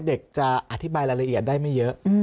เด็กจะอธิบายรายละเอียดได้ไม่เยอะ